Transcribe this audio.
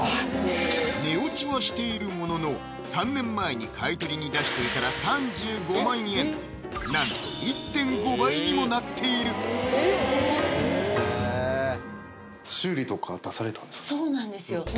値落ちはしているものの３年前に買い取りに出していたら３５万円なんと１．５倍にもなっているへぇそうなんですよ！